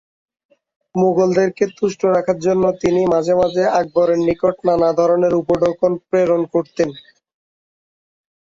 মুগলদেরকে তুষ্ট রাখার জন্য তিনি মাঝে মাঝে আকবরের নিকট নানা ধরনের উপঢৌকন প্রেরণ করতেন।